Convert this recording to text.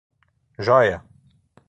Jóia